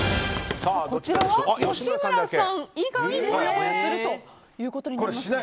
吉村さん以外、もやもやするということになりました。